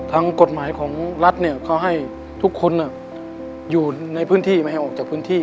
ทางกฎหมายของรัฐเนี่ยเขาให้ทุกคนอยู่ในพื้นที่ไม่ให้ออกจากพื้นที่